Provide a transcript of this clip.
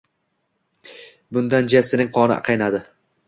Bundan Jessining qoni qaynadi